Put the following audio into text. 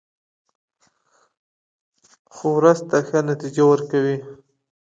خو وروسته ښه نتیجه ورکوي.